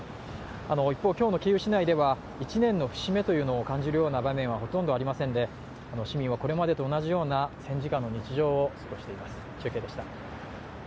一方、今日のキーウ市内では１年の節目を感じるような場面はほとんどありませんで市民はこれまでと同じような戦時下の日常を過ごしています。